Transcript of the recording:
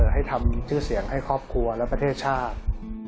ให้ทำชื่อเสียงให้ครอบครัวและประเทศชาติ